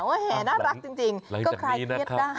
ว่าแห่น่ารักจริงก็ใครเทียดได้